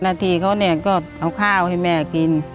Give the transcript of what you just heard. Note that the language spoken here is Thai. หน้าที่เขาเนี่ยก็เอาข้าวให้แม่กิน